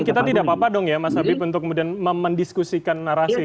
kita tidak apa apa dong ya mas habib untuk kemudian mendiskusikan narasi ini